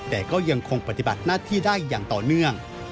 แต่ก็ยังคงปฏิบัติหน้าที่ได้อย่างต่อเนื่อง